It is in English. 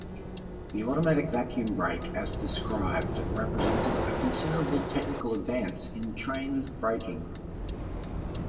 The automatic vacuum brake as described represented a considerable technical advance in train braking.